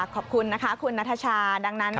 ขอบคุณคุณนัทชา